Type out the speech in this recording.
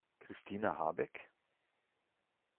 Christina Habeck?